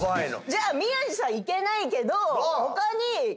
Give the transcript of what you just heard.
じゃあ宮司さん行けないけど。